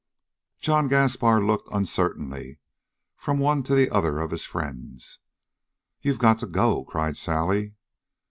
John Gaspar looked uncertainly from one to the other of his friends. "You've got to go!" cried Sally.